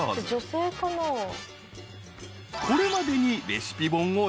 ［これまでに］